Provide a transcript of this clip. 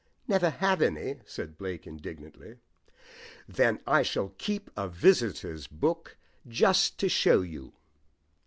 "Never have any!" said Blake indignantly. "Then I shall keep a visitors' book just to show you."